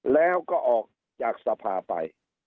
แล้วก็ออกจากสภาไป